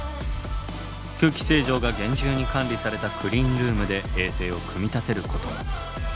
空気清浄が厳重に管理されたクリーンルームで衛星を組み立てることも。